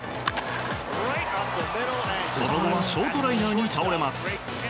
その後はショートライナーに倒れます。